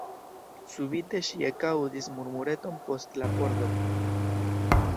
Subite ŝi ekaŭdis murmureton post la pordo.